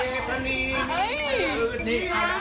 สวัสดีครับคุณผู้ชมครับ